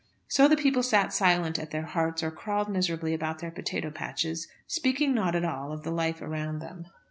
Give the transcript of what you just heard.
So the people sat silent at their hearths, or crawled miserably about their potato patches, speaking not at all of the life around them.